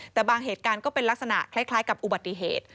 แต่บางเหตุการณ์ก็เป็นลักษณะคล้ายกับอุบัติเหตุ